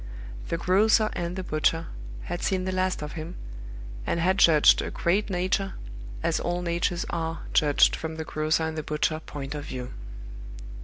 The grocer and the butcher had seen the last of him, and had judged a great nature, as all natures are judged from the grocer and the butcher point of view.